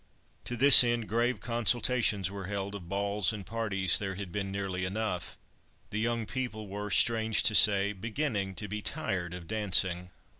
To this end grave consultations were held; of balls and parties there had been nearly enough—the young people were, strange to say, beginning to be tired of dancing.